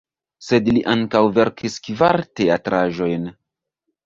Sed li ankaŭ verkis kvar teatraĵojn.